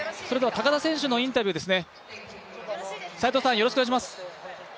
高田選手のインタビューです。